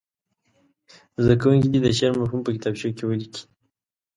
زده کوونکي دې د شعر مفهوم په کتابچو کې ولیکي.